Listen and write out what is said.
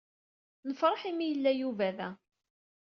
Nefṛeḥ imi ay yella Yuba da.